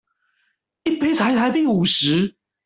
一杯才台幣五十